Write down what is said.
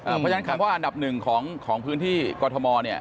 เพราะฉะนั้นคำว่าอันดับหนึ่งของพื้นที่กรทมเนี่ย